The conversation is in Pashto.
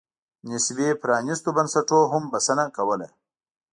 نسبي پرانېستو بنسټونو هم بسنه کوله.